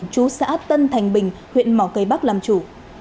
chú xã tân thành bình huyện mỏ cây bắc làm chủ